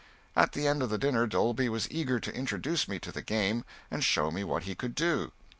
At the end of the dinner Dolby was eager to introduce me to the game and show me what he could do.